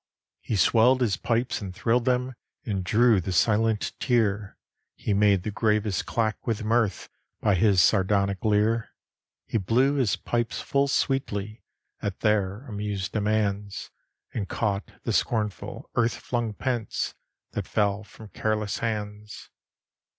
He swelled his pipes and thrilled them, And drew the silent tear; He made the gravest clack with mirth By his sardonic leer. He blew his pipes full sweetly At their amused demands, And caught the scornful, earth flung pence That fell from careless hands.